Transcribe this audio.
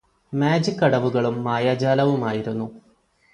magic അടവുകളും മായാജാലവുമായിരുന്നു